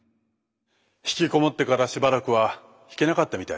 引きこもってからしばらくは弾けなかったみたいだ。